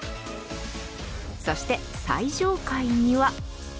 そして、最上階には。